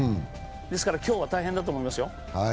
ですから、今日は大変だと思いますよ。